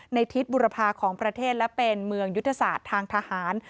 ในทิศบุรพาของประเทศและเป็นเมืองยุทธศาสตร์ทางทหาร